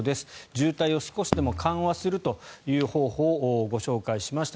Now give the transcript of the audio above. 渋滞を少しでも緩和するという方法をご紹介しました。